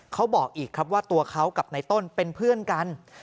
เขาบอกอีกครับว่าตัวเขากับในต้นเป็นเพื่อนกัน